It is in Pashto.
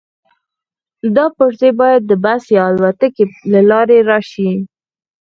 دا پرزې باید د بس یا الوتکې له لارې راشي